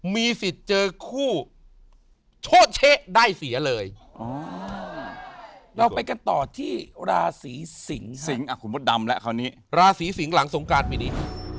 มีสิทธิ์เจอคู่โชชะได้เสียเลยเราไปกันต่อที่ราศรีสิงหลังสงการปีนี้